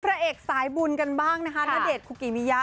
พระเอกสายบุญกันบ้างนะคะณเดชนคุกิมิยะ